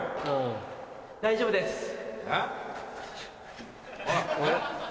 僕も大丈夫です。